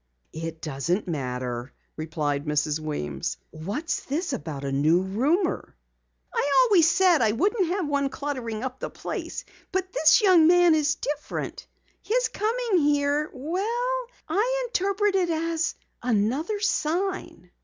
"It doesn't matter," replied Mrs. Weems. "What's this about a new roomer?" "I always said I wouldn't have one cluttering up the place. But this young man is different. His coming here well, I interpret it as another sign."